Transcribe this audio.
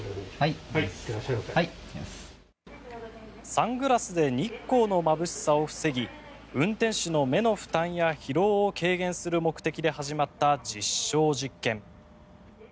サングラスで日光のまぶしさを防ぎ運転手の目の負担や疲労を軽減する目的で始まった実証実験。